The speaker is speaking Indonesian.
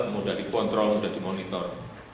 mudah dipontrol mudah dimonitor